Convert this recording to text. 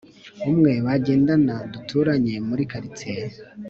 umwe bagendana duturanye muri cartier